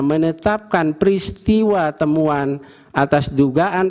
menetapkan peristiwa temuan atas dugaan